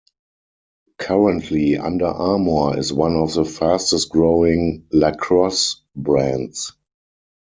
Currently Under Armour is one of the fastest growing lacrosse brands.